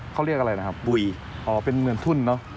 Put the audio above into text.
เขาเรียกอะไรนะครับบุ๋ยเป็นเหมือนทุ่นเนอะ